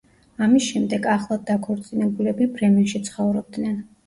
ამის შემდეგ, ახლად დაქორწინებულები ბრემენში ცხოვრობდნენ.